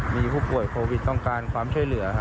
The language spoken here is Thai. มีผู้ป่วยโควิดต้องการความช่วยเหลือ